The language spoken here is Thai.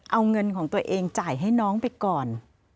เอาเงินของตัวเองจ่ายให้น้องไปก่อน